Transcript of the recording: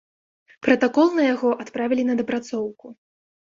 Пратакол на яго адправілі на дапрацоўку.